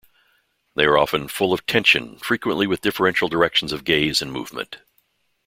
They are often full of tension, frequently with differential directions of gaze and movement.